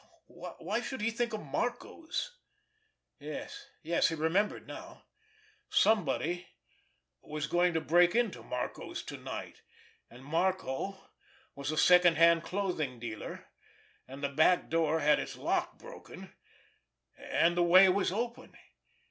Why should he think of Marco's? Yes, yes, he remembered now! Somebody was going to break into Marco's to night ... and Marco was a second hand clothing dealer ... and the back door had its lock broken ... and the way was open.